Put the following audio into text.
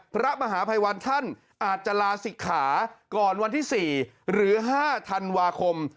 พระมหาภัยวันท่านอาจจะลาศิกขาก่อนวันที่๔หรือ๕ธันวาคม